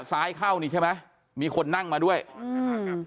เข้านี่ใช่ไหมมีคนนั่งมาด้วยอืม